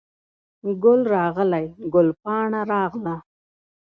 ګل راغلی، ګل پاڼه راغله